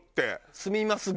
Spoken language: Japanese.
住みます